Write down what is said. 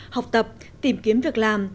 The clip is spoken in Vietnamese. học tập tìm kiếm việc làm